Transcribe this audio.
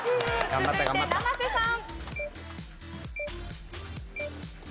続いて生瀬さん。